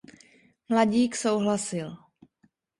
Mladík souhlasil.